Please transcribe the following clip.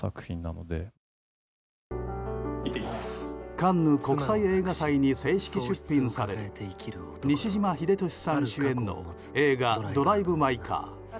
カンヌ国際映画祭に正式出品される西島秀俊さん主演の映画「ドライブ・マイ・カー」。